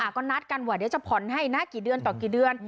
ก็นัดกันว่าเดี๋ยวจะผ่อนให้นะกี่เดือนต่อกี่เดือน